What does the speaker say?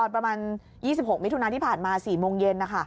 ประมาณ๒๖มิถุนาที่ผ่านมา๔โมงเย็น